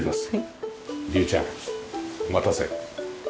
龍ちゃんお待たせ。